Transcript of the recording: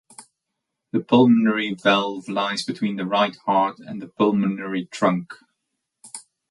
The pulmonary valve lies between the right heart and the pulmonary trunk.